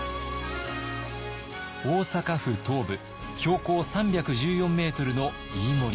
大阪府東部標高３１４メートルの飯盛山。